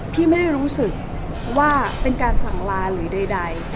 พี่ไม่ได้รู้สึกว่าเป็นการสั่งลาหรือใด